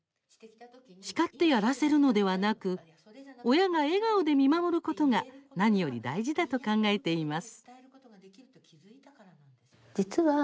叱ってやらせるのではなく親が笑顔で見守ることが何より大事だと考えています。